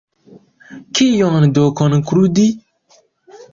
Kion do konkludi?